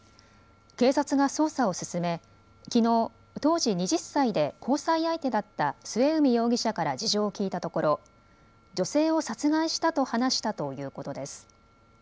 警察が捜査を進めきのう、当時２０歳で交際相手だった末海容疑者から事情を聴いたところ女性を殺害したと話したということです。